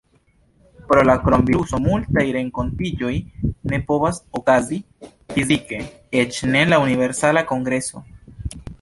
Pro la kronviruso multaj renkontiĝoj ne povas okazi fizike, eĉ ne la Universala Kongreso.